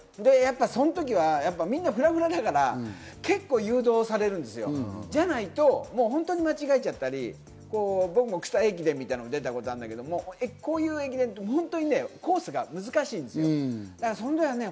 その時はみんなフラフラだから、結構誘導されるんですよ、じゃないと本当に間違えちゃったり、僕も草駅伝みたいのに出たことあるけど、こういう駅伝ってコースが難しいんですよ。